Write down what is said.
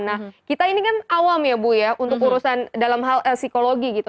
nah kita ini kan awam ya bu ya untuk urusan dalam hal psikologi gitu